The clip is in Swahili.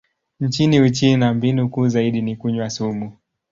Nchini Uchina, mbinu kuu zaidi ni kunywa sumu.